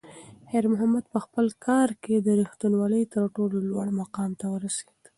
خیر محمد په خپل کار کې د رښتونولۍ تر ټولو لوړ مقام ته ورسېد.